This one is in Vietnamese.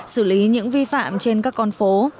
xử lý những vi phạm trên các con phố